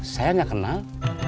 saya gak kenal